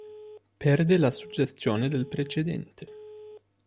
Perde la suggestione del precedente.